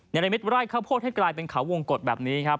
ในระมิตไร่ข้าวโพดให้กลายเป็นเขาวงกฎแบบนี้ครับ